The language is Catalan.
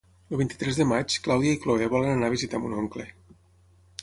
El vint-i-tres de maig na Clàudia i na Cloè volen anar a visitar mon oncle.